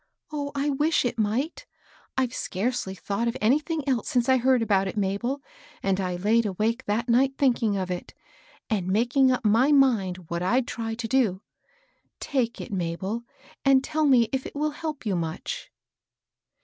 Oh, I wish it might I I've scarcely thought rf anything else since I heard about it, Mabel ; and I laid awake that night thinking of it, and making up my mind what I'd try to do. Take it, Mabel, and tell me if it wiR help you much."